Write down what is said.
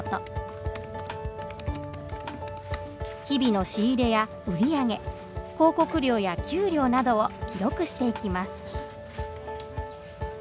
日々の仕入れや売り上げ広告料や給料などを記録していきます。